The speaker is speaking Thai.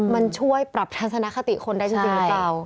มันช่วยปรับทัศนคติคนได้จริงหรือเปล่า